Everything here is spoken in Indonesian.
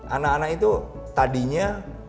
anak anak itu tadinya